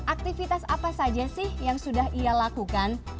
aktivitas apa saja sih yang sudah ia lakukan